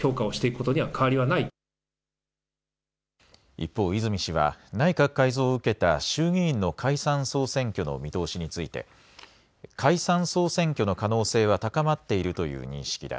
一方、泉氏は内閣改造を受けた衆議院の解散・総選挙の見通しについて解散・総選挙の可能性は高まっているという認識だ。